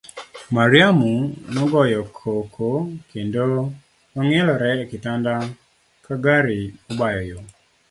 Mariamu nogoyo koko kendo nong'ielore e kitanda ka gari mobayo yoo.